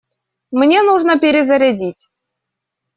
Мне нужно перезарядить.